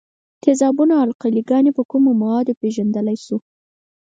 تیزابونه او القلي ګانې په کومو موادو پیژندلای شو؟